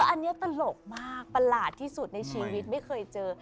อันนี้ตลกมากประหลาดที่สุดในชีวิตไม่เคยเจอ